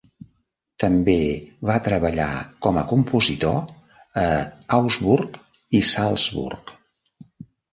També va treballar com a compositor a Augsburg i Salzburg.